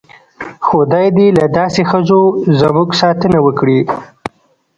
خدای دې له داسې ښځو زموږ ساتنه وکړي.